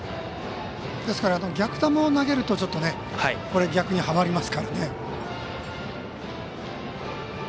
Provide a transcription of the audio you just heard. ですから逆球を投げると逆に、はまりますからね。